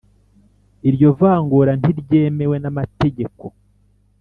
iryo vangura ntiryemewe n’amategeko.